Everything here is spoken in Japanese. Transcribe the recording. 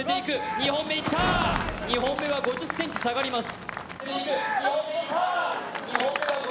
２本目いったー、２本目は５０ｃｍ下がります。